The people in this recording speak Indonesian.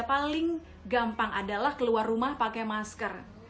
paling gampang adalah keluar rumah pakai masker